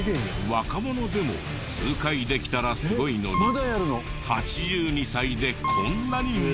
若者でも数回できたらすごいのに８２歳でこんなにも！